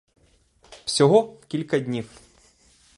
Всього — кілька днів.